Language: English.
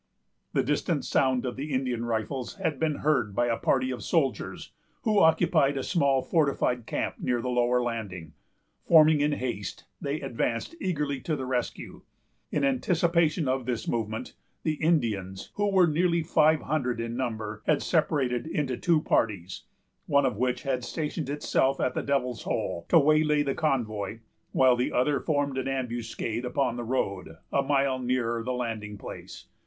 The distant sound of the Indian rifles had been heard by a party of soldiers, who occupied a small fortified camp near the lower landing. Forming in haste, they advanced eagerly to the rescue. In anticipation of this movement, the Indians, who were nearly five hundred in number, had separated into two parties, one of which had stationed itself at the Devil's Hole, to waylay the convoy, while the other formed an ambuscade upon the road, a mile nearer the landing place.